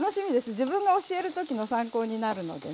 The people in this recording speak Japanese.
自分が教える時の参考になるのでね。